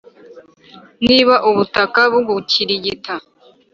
niba ubutaka bugukirigita